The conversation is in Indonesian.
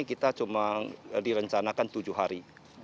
kita cuma direncanakan tujuh hari